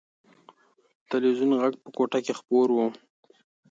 د تلویزون غږ په کوټه کې خپور و.